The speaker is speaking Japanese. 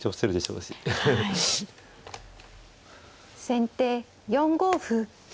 先手４五歩。